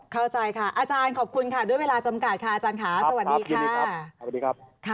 เข้าใจค่ะอาจารย์ขอบคุณค่ะด้วยเวลาจำกัดสวัสดีค่ะ